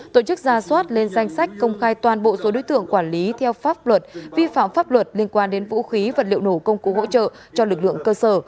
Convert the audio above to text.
tổ chức ra soát lên danh sách công khai toàn bộ số đối tượng quản lý theo pháp luật vi phạm pháp luật liên quan đến vũ khí vật liệu nổ công cụ hỗ trợ cho lực lượng cơ sở